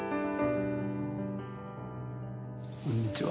こんにちは。